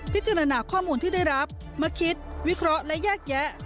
พิจารณาข้อมูลที่ได้รับมาคิดวิเคราะห์และแยกแยะ